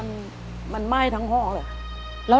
สวัสดีครับ